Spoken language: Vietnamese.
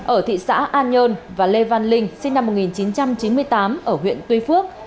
ở thị xã an nhơn và lê văn linh sinh năm một nghìn chín trăm chín mươi tám ở huyện tuy phước